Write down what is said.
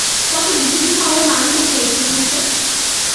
কত বিচিত্র স্বভাবের মানুষ আছে এই পৃথিবীতে।